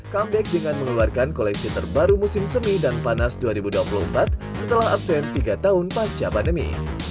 comeback dengan mengeluarkan koleksi terbaru musim semi dan panas dua ribu dua puluh empat setelah absen tiga tahun pasca pandemi